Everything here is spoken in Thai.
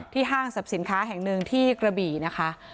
ห้างสรรพสินค้าแห่งหนึ่งที่กระบี่นะคะ